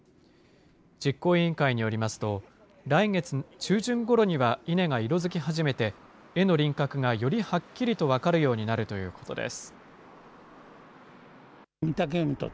実行委員会によりますと、来月中旬ごろには稲が色づき始めて、絵の輪郭がよりはっきりと分かるようになるということです。